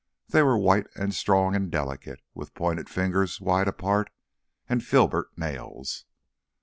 They were white and strong and delicate, with pointed fingers wide apart, and filbert nails.